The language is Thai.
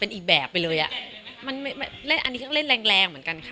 อันนี้ก็เล่นแรงเหมือนกันค่ะ